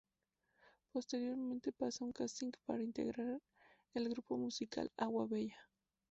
Posteriormente pasa un casting para integrar el grupo musical Agua Bella.